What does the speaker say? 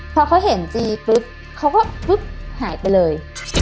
พอเขาเห็นจีปุ๊บเขาก็ปุ๊บหายไปเลย